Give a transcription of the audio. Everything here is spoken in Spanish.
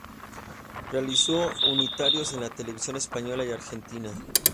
Realizó unitarios en la televisión española y argentina.